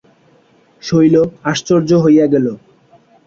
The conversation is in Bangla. শৈল আশ্চর্য হইয়া গেল।